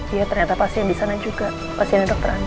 iya ternyata pasien disana juga pasien dokter andi